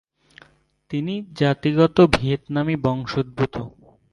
তিনি জাতিগত ভিয়েতনামী বংশোদ্ভূত।